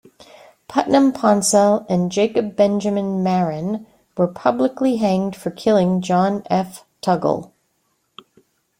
Putnam Ponsell and Jacob Benjamin Marin were publicly hanged for killing John F. Tuggle.